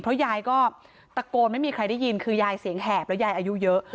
เพราะยายก็ตะโกนไม่มีใครได้ยินคือยายเสียงแหบแล้วยายอายุเยอะ